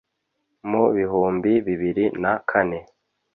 Mu bihumbi bibiri na kane